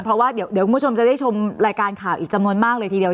เพราะว่าเดี๋ยวคุณผู้ชมจะได้ชมรายการข่าวอีกจำนวนมากเลยทีเดียว